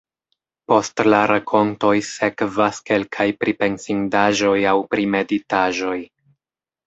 Post la rakontoj sekvas kelkaj pripensindaĵoj aŭ primeditaĵoj.